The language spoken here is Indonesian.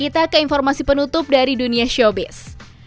kita ke informasi penutup dari dunia showbiz